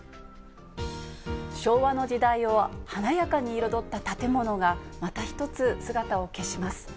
昭和の時代を華やかに彩った建物が、また一つ、姿を消します。